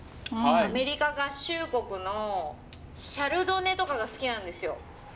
アメリカ合衆国のシャルドネとかが好きなんですよ。